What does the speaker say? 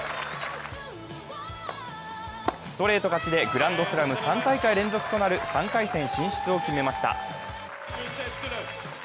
ストレート勝ちでグランドスラム３大会連続となる３回戦進出を決めました。